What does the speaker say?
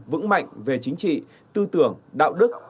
vững mạnh về chính trị tư tưởng đạo đức